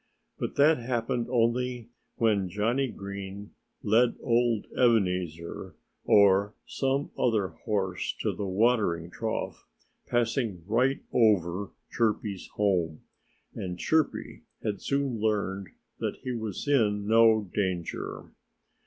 But that happened only when Johnnie Green led old Ebenezer, or some other horse, to the watering trough, passing right over Chirpy's home. And Chirpy had soon learned that he was in no danger.